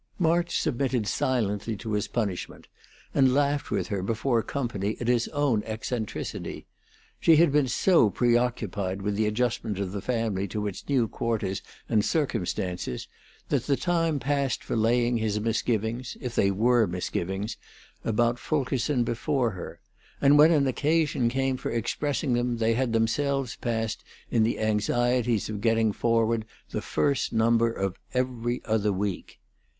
March submitted silently to his punishment, and laughed with her before company at his own eccentricity. She had been so preoccupied with the adjustment of the family to its new quarters and circumstances that the time passed for laying his misgivings, if they were misgivings, about Fulkerson before her, and when an occasion came for expressing them they had themselves passed in the anxieties of getting forward the first number of 'Every Other Week.'